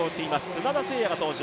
砂田晟弥が登場。